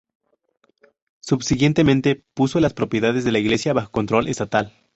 Subsiguientemente puso las propiedades de la iglesia bajo control estatal.